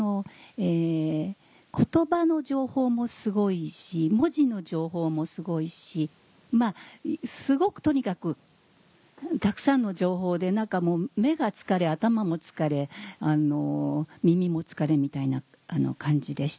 言葉の情報もすごいし文字の情報もすごいしすごくとにかくたくさんの情報で何か目が疲れ頭も疲れ耳も疲れみたいな感じでした。